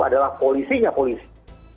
adalah polisinya polisi